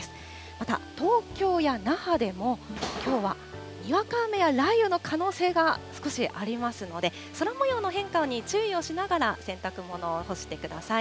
また東京や那覇でも、きょうはにわか雨や雷雨の可能性が少しありますので、空もようの変化に注意をしながら、洗濯物を干してください。